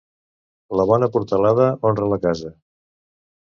La bona portalada honra la casa.